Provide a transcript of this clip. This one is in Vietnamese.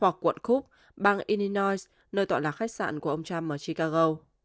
hoặc quận cook bang illinois nơi tọa lạc khách sạn của ông trump ở chicago